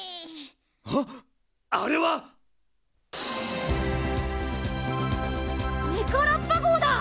はっあれは⁉メカラッパ号だ！